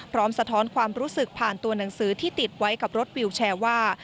สะท้อนความรู้สึกผ่านตัวหนังสือที่ติดไว้กับรถวิวแชร์ว่า